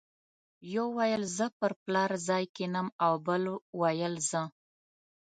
یو ویل زه پر پلار ځای کېنم او بل ویل زه.